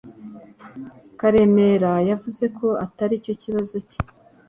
Karemera yavuze ko atari cyo kibazo cye.